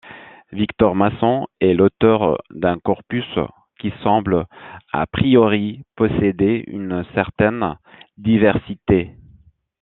Victor Masson est l'auteur d'un corpus qui semble a priori posséder une certaine diversité.